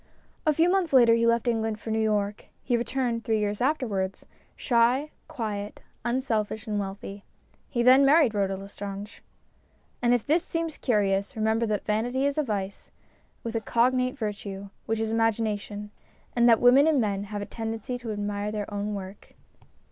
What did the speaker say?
A few months later he left England for New York. He returned, three years afterwards, shy, quiet, unselfish, and wealthy. He then married Rhoda Lestrange. And if this seems curious, remember that vanity is a vice with a cognate virtue, which is imagination ; and that women, and men, have a tendency to admire their own work.